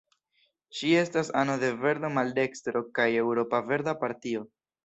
Ŝi estas ano de Verdo-Maldekstro kaj Eŭropa Verda Partio.